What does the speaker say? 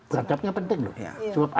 beradabnya penting loh